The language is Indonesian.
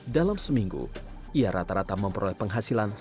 dalam seminggu ia rata rata memperoleh penghasilan rp satu dua ratus